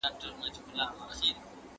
ټولنپوه د ځواب په لټه کې وي.